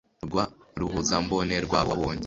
rwa ruhuzambone rwabo wabonye